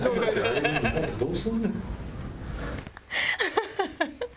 ハハハハ！